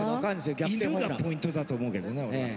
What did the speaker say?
犬がポイントだと思うけどね俺は。